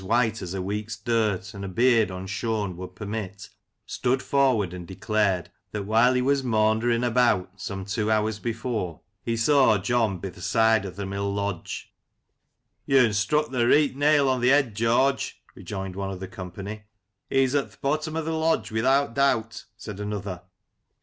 f J Old JohtCs Sunday Dinner, 107 as a week's dirt and a beard unshorn would permit, stood forward and declared that while he was " maundering about " some two hours before, he "saw John bith' side o'th' mill lodge." " You'n struck th' reet nail o'th' yed, George," rejoined one of the company. "He's at th' bottom o'th' lodge, without doubt!" said another.